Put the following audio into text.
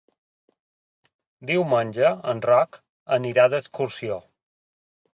Diumenge en Roc anirà d'excursió.